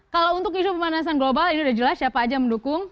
kalau untuk isu pemanasan global ini sudah jelas siapa aja mendukung